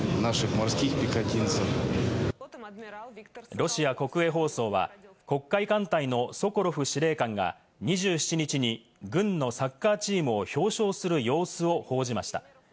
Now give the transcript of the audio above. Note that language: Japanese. ロシア国営放送は、黒海艦隊のソコロフ司令官が２７日に軍のサッカーチームを表彰する様子を報じました。